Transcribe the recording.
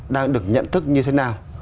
đang được nhận thức như thế nào